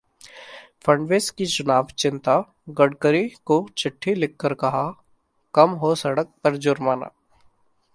फडणवीस की चुनावी चिंता, गडकरी को चिट्ठी लिखकर कहा- कम हो सड़क पर जुर्माना